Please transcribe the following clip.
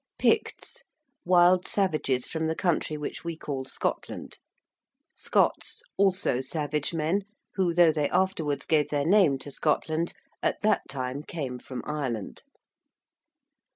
~Picts~: wild savages from the country which we call Scotland; ~Scots~, also savage men, who, though they afterwards gave their name to Scotland, at that time came from Ireland.